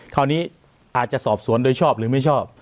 คราวนี้อาจจะสอบสวนโดยชอบหรือไม่ชอบ